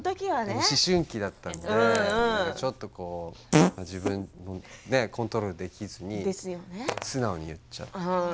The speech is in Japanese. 思春期だったのでちょっと自分でコントロールできずに素直に、言っちゃって。